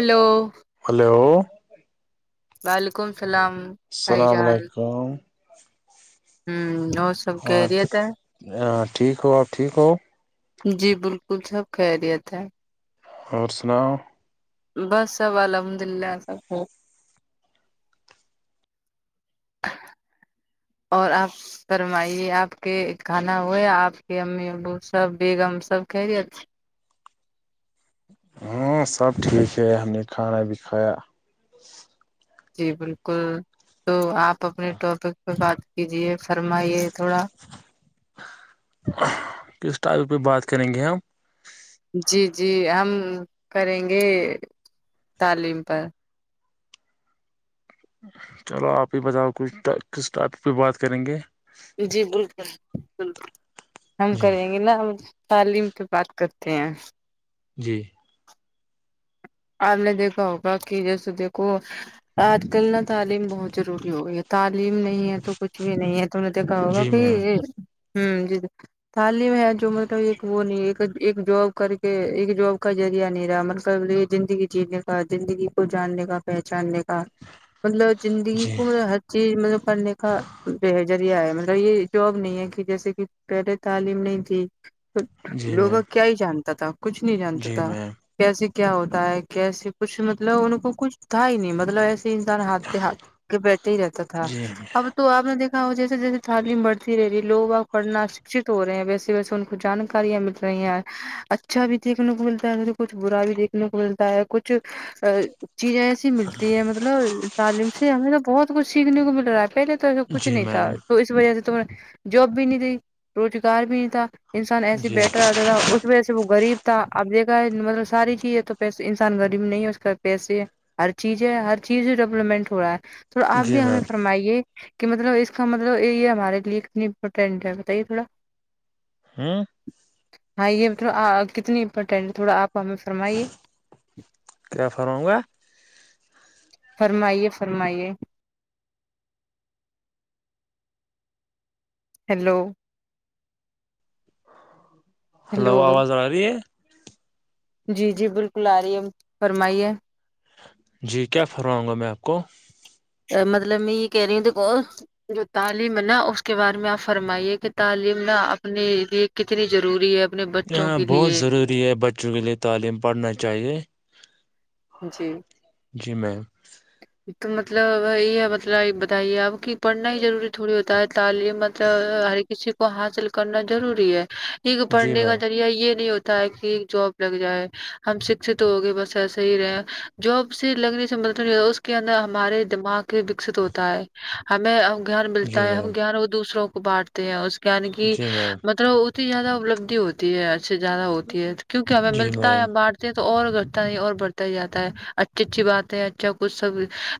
hello hello وعلیکم السلام بھائی السلام علیکم آمم اور سب خیریت ہے آ ٹھیک ہو آپ ٹھیک ہو جی بالکل سب خیریت ہے اور سناؤ بس سب الحمد للہ سب اور آپ فرمائیے آپ کے کھانا ہوا ہے آپ کے امی ابو سب بیگم سب خیریت ہاں سب ٹھیک ہے ہم نے کھانا بھی کھایا جی بالکل تو آپ اپنے ٹاپک پے بات کیجیے فرمائیے تھوڑا کس ٹاپک پے بات کریں گے ہم جی جی ہم کریں گے تعلیم پر چلو آپ ہی بتاؤ کچھ ٹا کس ٹاپک پے بات کریں گے جی بالکل بالکل ہم جی کریں گے نا ہم تعلیم پے بات کرتے ہیں جی آپ نے دیکھا ہوگا کہ جیسے دیکھو آج کل نا تعلیم بہت ضروری ہو گئی ہے تعلیم نہیں ہے تو کچھ بھی نہیں ہے نے دیکھا ہوگا جی میم کہ ہمم تعلیم ہے جو مطلب ایک وہ نہیں ایک ایک جاب کر کے ایک جاب کا ذریعہ نہیں رہا مطلب یہ زندگی جینے کا زندگی کو جاننے کا پہچاننے کا مطلب زندگی جی کو مطلب ہر چیز مطلب پڑھنے کا یہ ہے ذریعہ ہے مطلب یہ جاب نہیں ہے کہ جیسے کہ پہلے تعلیم نہیں تھی تو جی لوگوں میم کیا ہی جانتا تھا کچھ نہیں جانتا جی تھا میم کیسے کیا ہوتا کیسے کچھ مطلب ان کو کچھ تھا ہی نہیں مطلب ایسے انسان ہاتھ پہ ہاتھ رکھ کے بیٹھے ہی رہتا تھا جی اب تو تو آپ نے دیکھا ہو جیسے جیسے تعلیم بڑھتی رہ رہی ہےلوگ اب پڑھنا سکشھت ہو رہے ہیں ویسے ویسے ان کو جانکاریاں ملتی نہیں اچھا بھی دیکھنے کو ملتا ہے کبھی کچھ برا بھی دیکھ سننے کو ملتا ہے کچھ چیزیں ایسی ملتی ہے مطلب مطلب تعلیم سے ہمیں تو بہت کچھ سیکھنے کو مل رہا ہے پہلے تو ایسا کچھ جی نہیں تھا میم تو اس وجہ سے تم نے جاب بھی نہیں دی روزگار بھی نہیں تھا انسان ایسے جی بیٹھا رہتا تھا اس وجہ سے وہ غریب تھا اب دیکھا ہے مطلب ساری چیز پیسے انسان غریب نہیں ہے اس کے پا پیسے ہر چیز ہے ہر چیز ڈیولپمنٹ ہو رہا ہے تو آپ جی بھی ہمیں میم فرمائیے کہ مطلب اس کا مطلب یہ ہمارے لیے ایک امپورٹینٹ ہے بتائیے تھوڑا ہوں ہاں یہ مطلب آ آ کتنی امپورٹینٹ تھوڑا آپ ہمیں فرمائے کیا فرماؤں گا فرمائیے فرمائیے ہیلو ہیلو آواز آ رہی ہے جی جی بالکل آرہی ہے فرمائیے جی کیا فرماؤں گا میں آپ کو مطلب میں یہ کہہ رہی ہوں دھو جو تعلیم ہے نا اس کے بعد میں آپ فرمائیے کہ تعلیم نا اپنے بہت لیے ضروری ہے بچوں کے لیے تعلیم پڑھنا چاہیے جی جی میم تو مطلب یہ ہے مطلب بتائیے آپ کہ پڑھنا ہی ضروری تھوڑی ہوتا ہے تعلیم تو ہر کسی کو حاصل کرنا ضروری ہے ایک جی پڑھنے کا میم ذریعہ یہ نہیں ہوتا ہے کہ ایک جاب لگ جائے ہم شکھت ہو گے بس ایسا صحیح ہے جاب سے لگنے سے مدطلب نہیں ہوتا اس کے اندر ہمارے دماغ وکست ہوتا ہے ہمیں ا گان جی ملتا ہے ہم میم گان وہ دوسروں کو بانٹتے ہیں اس جان کی جی میم مطلب زیادہ اپلبدھی ہوتی ہے اچ سے زیادہ ہوتی ہے کیونکہ ہمیں جی ملتا میم ہےار تو اور کرتا ہے اور بڑھ جاتا ہے اچھی اچھی بات ہے اچھا کچھ سب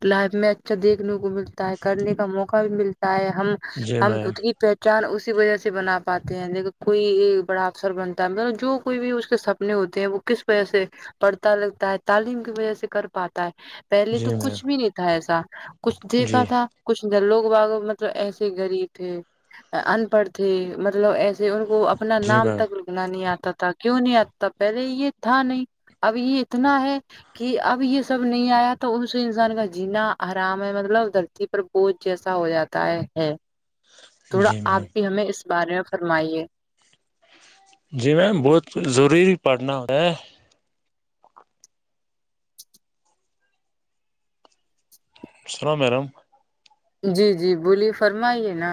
لائف میں اچھا دیکھنے کو ملتا ہے کرنے کا موقع بھی ملتا ہے ہم جی ہم میم کری پہچان اسی وجہ سے بنا پاتے ہیںیک کوئی ایک بڑا افسر بنتا ہے مطلب جو کوئی بھی اس کے سب نے ہوتے ہیں وہ کس وجہ سے پڑھتا لگتا ہے تعلیم کی وجہ سے کر پاتا ہے پہلے جی تو میم کچھ بھی نہیں تھا ایسا کچھ دیکھا جی تھا کچھ نہیں لوگ با مطلب ایسے غریب تھے ان پڑھ تھے مطلب ایسے ان کو اپنا جی نام میم تک اتنا نہیں آتا تھا کیوں نہیں آتا تھا پہلے یہ تھا نہیں اب یہ اتنا ہے کہ اب یہ سب نہیں آیا تو اس انسان کا جینا آرام ہے مطلب دھرتی پر کوچ جیسا ہو جاتا ہے ام تھوڑا جی آپ میم بھی ہمیں اس بارے میں فرمائیے جی میم بہت ضروری پڑھنا ہے [inaudible] جی جی بولیے فرمائیے نا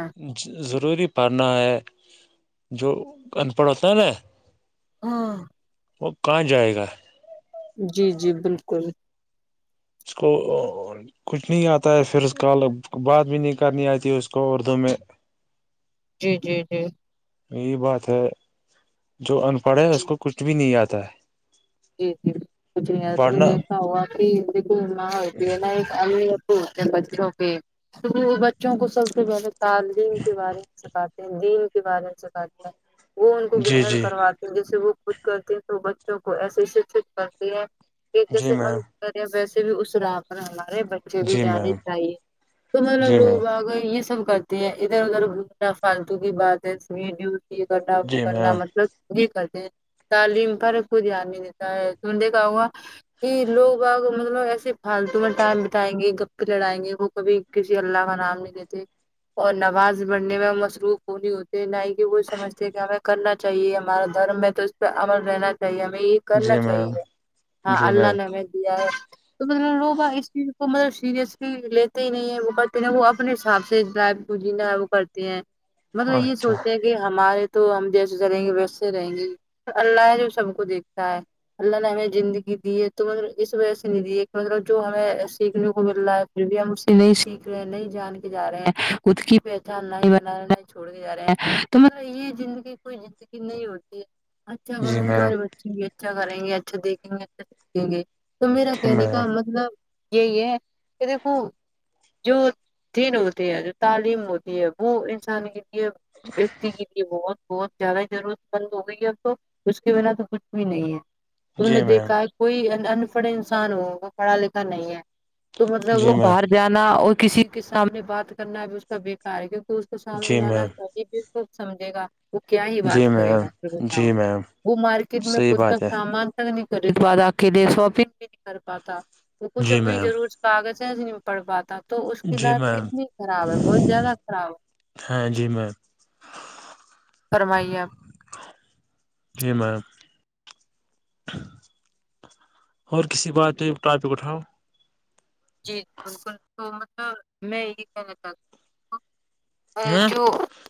ضروری پڑھنا ہے جو ان پڑھ ہوتا ہے نا ہاں وہ کہاں جائے گا جی جی بالکل اس کو اوو کچھ نہیں آتا ہے پھر اس ک بات بھی نہیں کرنی آتی ہے اس کو اردو میں جی جی جی یہی بات ہے جو ان پڑھ ہے جی اس کو کچھ بھی نہیں آتا ہے جی جی کچھ نہیں آ تو پڑھنا مجے کہا ہوا کہ دیکھ کوتی ہے نا ایک امی توتے بچوں کے تو بچوں کو سب سے پہلے تعلیم کے بارے میں سکھاتے ہیں دین کے بارے میں سکھاتے ہیں وہ ان کو جی گرہن جی کرواتے ہیں جیسے وہ خود کرتے ہیں تو بچوں کو ایسے شکشت کرتی ہیں کہ جی جیسے ہم میم کرے ویسے بھی اس راہ پر ہمارے مجھے بھی جی جانانیے میم چاہیے تو مطلب جی میم لوگ اگر یہ سب کرتے ادھر ادھر گنا فالتو کی بات ہے س ڈیوٹی کاا جی کرنا میم مطلب یہی کرتے ہیں تعلیم پر کوئی دھیان نہیں دیتا ہے س دیکھا ہوا یہ لوگ ب مطلب ایسے فالتو کا ٹائم بتائیں گے گپ لڑائیں گے وہ کبھی کسی اللہ کا نام نہیں دیتے اور نماز بڑھنے میں مصروف وہ نہیں ہوتے نہ ہی کہ وہ سمجھتے کہ ہمیں کرنا چاہیے ہمارا دھرم ہے تو اس پہ عمل رہنا چاہیے ہمیں یہ کرنا جی میم چاہیے ہاں جی اللہ میم نے ہمیں دیا ہے تو مطلب لوگ اس چیز کو مطلب سیریسلی لیتے ہی نہیں ہے وہ کرتے نہیں وہ اپنے حساب سے جینا ہے وہ کرتی ہیں مطلب یہ اچھا سوچتے ہیں کہ ہمارے تو ہم جیسے چلیں گے ویسے رہیں گے اللہ جو سب کو دیکھتا ہے اللہ نے ہمیں زندگی دی ہے تو مطلب اس وجہ سے نہیں دی ہے کہ مطلب جو ہمیں سیکھنے کو مل رہا ہے پھر بھی ہم اس سے نہیں سیکھ رہے نہیں جان کے جا رہے ہیں خود کی پہچان نہیں بنا رہے نہیں جا رہے ہیں تو مطلب یہ زندگی کوئی زندگی نہیں ہوتی اچھا جی کروں گے میم تمہارے بچوں بھی اچھا کریں گے اچھا دیکھیں گے اچھا سیکھیں گے تو میرا جی کہنے میم کا مطلب یہی ہے کہ دیکھو جو دن ہوتے ہیں جو تعلیم ہوتی ہے وہ انسان کی لیے بہت بہت زیادہ ضرورت مند ہو گئی ہے اب تو اس کے بنا تو کچھ بھی نہیں ہے تم جی نے میم دیکھا ہے کوئی ان پڑھ انسان ہو وہ پڑھا لکھا نہیں ہے تو مطلب وہ جی میم باہر جانا اور کسی کے سامنے بات کرنابی اس کا بیکار ہے کیونکہ تو سامنے جی والا میم سہی بھی کو سمجھے گا وہ کیا ہی بات جی کرے گا پھر میم بتاؤ جی میم وہ مارکیٹ میں صحیح خود کا بات ہے سامان تک نہیں خرید پتا خود کے لیے شاپنگ بھی نہیں کر پاتا وہ کچھ جی اپنی میم ضور کاغذیں سے نہیں پڑ پاتا تو اس کی جی لائف میم کتنی خراب ہے بہت زیادہ خراب ہے ہاں جی میم فرمائیے آپ جی میم اور کسی بات ٹاپک اٹھاؤ جی جی بالکل تو مطلب میں یہ کہنا چاہتی ہوں ہاں جو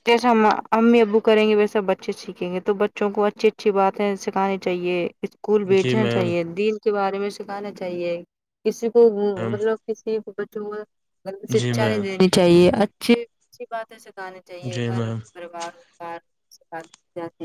جیسا امی ابو کر گے وسا بچے سیکھیں گے تو بچوں کو اچھی اچھی بات سکھانے چاہیے اسکول جی بھیجنا میم چاہیے دین کے بارے میں سکھانا چاہیے کسی کو میم مطلب کسی بچوں کوگلت جی سکشا نہیں میم دینی چاہیے اچھی اچھی باتے سکانی چاہیے جی گھر میم پریوارار جات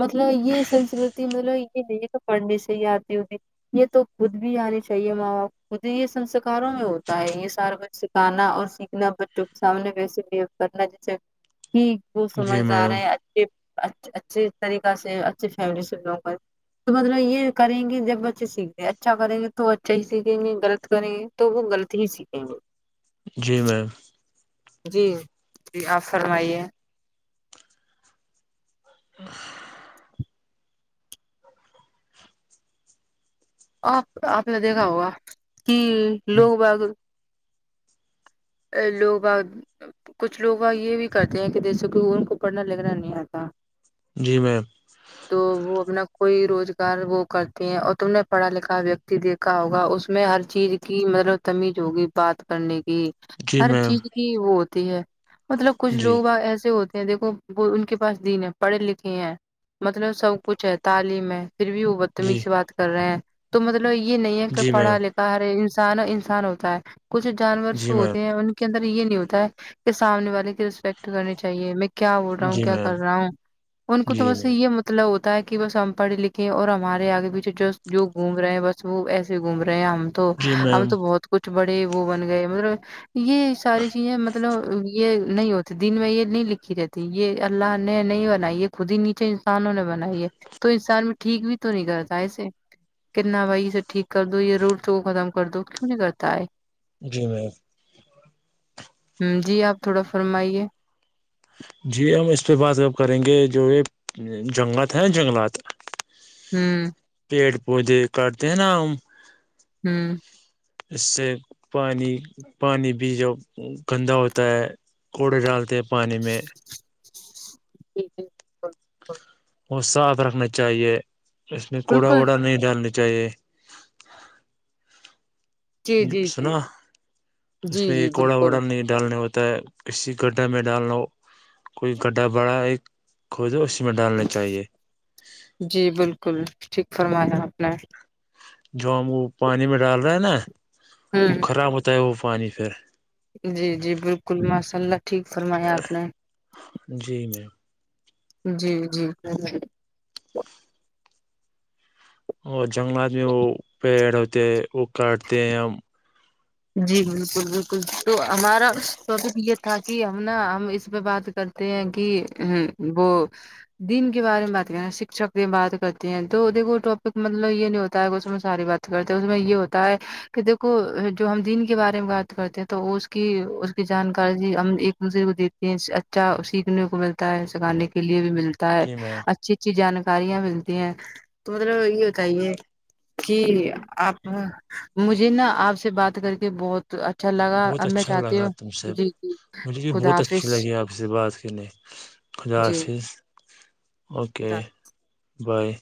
مطلب یہ سنسکرتی مطلب یہ نہیں پڑھنے سے ہی آتی ہوگی یہ تو خود بھی آنی چاہیے ماں باپ خود ہی یہ سنسکاروں میں ہوتا ہے یہ سارا کچھ سکھانا اور سیکھنا بچوں کے سامنے کیسے بیھوے کرنا جیسے ٹھیک وہ جی سمجھدار میم ہے یار اچھی طریقہ سے اچھی فیملی سے بلونگ کر تو مطلب یہ کریں گے جب بچے سیکھتے ہے اچھا کریں گے تو وہ اچھا ہی سیکھیں گے غلط کریں گے تو وہ غلط ہی سیکھیں گے جی میم جی جی آپ فرمائیے آپ آپ نے دیکھا ہوگا کہ لوگ بغ ا لوگا کچھ لوگ یہ بھی کرتے ہیں کہ جیسے کہ ان کو پڑھنا لکھنا نہیں آتا جی میم تو وہ اپنا کوئی روزگار وہ کرتے ہیں اور تم نے پڑھا لکھا ویکتی دیکھ کا ہوگا اس میں ہر چیز کی مطلب تمیز ہوگی بات کرنے کی جی ہر میم چیز کی وہ ہوتی ہے مطلب کچھ جی لوگ ایسے ہوتے دیکھو وہ ان کے پاس دین ہے پڑھے لکھے ہیں مطلب سب کچھ ہے تعلیم ہے پھر بھی وہ جی تمیز سے بات کر رہے ہیں تو مطلب یہ نہیں ہے کہ جی پڑھا میم لکھا ہر انسان انسان ہوتا ہے کچھ جانورسے جی میم ہوتے ہیں ان کے اندر یہ نہیں ہوتا ہے کہ سامنے والے کی رسپیکٹ کرنی چاہیے کیا بول رہا ہوں جی کیا میم کر رہا ہوں ان کو تو جی بس میم یہ مطلب ہوتا ہے کہ بس ہم پڑھے لکھے اور ہمارے آگے پیچھے جس جو گھوم رہے ہیں بس وہ ایسے گھوم رہے ہیں ہم تو جی ہم میم تو بہت کچھ بڑے وہ بن گئے مطلب یہ ساری چیزیں مب یہ نہیں ہوتی دن میں یہ نہیں لکھی رہتی یہ اللہ نے نہیں بنائی یہ خود ہی نیچے انسانوں نے بنائی ہے تو انسان بھی ٹھیک بھی تو نہیں کرتا ایسے کنا بھائی اس سے ٹھیک کر دو یہ روک ٹوک ختم کر دو کیوں نہیں کرتا ہے جی میم ہ جی آپ تھوڑا فرمائیے جی ہم اس پہ بات کب کریں گے جو یہ جنگلات ہیں جنگلات ہوں پیڑ پودے کاٹتے ہیں نا ہم ہوں اس سے پانی پانی بھی جب گندا ہوتا ہے کوڑے ڈالتے ہیں پانی میں [unintelligible] وہ صاف رکھنا چاہیے اس میں کوڑا بالکل ووڑا نہیں ڈالنا چاہیے جی جی جی سنا اس جی میں یہ جی کوڑا بالکل ووڑا نہیں ڈالنا ہوتا ہے کسی گڈھا میں ڈالنا کوئی گڈھا بڑا ایک کھودے اسی میں ڈالنا چاہیے جی بالکل ٹھیک فرمایا آپ نے جو ہم وہ پانی میں ڈال رہے ہیں نا وہ ہوں خراب ہوتا ہے وہ پانی پھر جی جی بالکل ماشاء اللہ ٹھیک فرمایا آپ نے جی مے جی جی اور جنگلات میں وہ پیڑ ہوتے ہیں وہ کاٹتے ہیں ہم جی بالکل بالکل تو ہمارا تو ابھی یہ تھا کہ ہم نا ہم اس پہ بات کرتے ہیں کہ وہ دین کے بارے میں بات کریں شکشک کی بات کرتے ہیں تو دیکھو ٹاپک مطلب یہ نہیں ہوتا ہے کہ میں ساری بات کرتے اس میں یہ ہوتا ہے کہ دیکھو جو ہم دین کے بارے میں بات کرتے ہیں تو اس کی اس کی جانکاری ہم ایک دوسرے کو دی اچھا سیکھنے کو ملتا ہے سکھانے کے لیے بھی ملتا ہے جی میں اچھی چی جانکاریاں ملتی ہیں تو مطلب یے بتائیے کی آپ مجھے نا آپ سے بات کر کے بہت اچھا لگا بہت اب میں اچھا چاہتی لگا ہوں تم سے جی جی مجھے بھی خدا بہت اچھی حافظ لگی آپ سے بات کرنے خدا جی حافظ اوکے خدا بائے